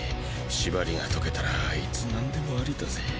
縛りが解けたらあいつ何でもアリだぜ。